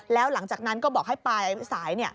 แล้วหลังจากนั้นก็บอกให้ปลายสาย